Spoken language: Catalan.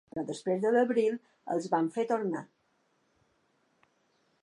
Però després de l’abril els van fer tornar.